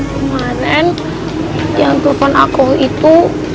kemarin yang telepon aku itu